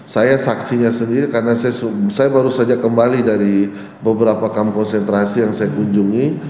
saya saksinya sendiri karena saya baru saja kembali dari beberapa kampus sentrasi yang saya kunjungi